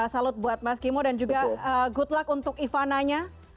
salute buat mas kimo dan juga good luck untuk ivana nya